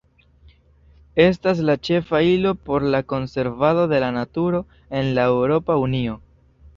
Estas la ĉefa ilo por la konservado de la naturo en la Eŭropa Unio.